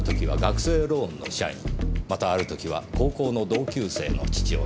またある時は高校の同級生の父親。